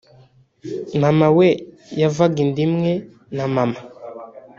Maman we yavaga inda imwe na Maman